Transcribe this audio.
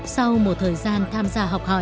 sau một thời gian tham gia